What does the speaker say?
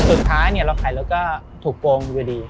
สุดท้ายเราขายรถก็ถูกโกงอยู่ดี